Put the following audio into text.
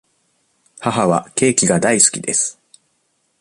母はケーキが大好きです。